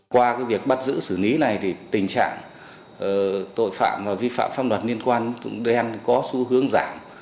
qua việc bắt giữ sử lý này tình trạng tội phạm và vi phạm pháp luật liên quan đến tín dụng đen có xu hướng giảm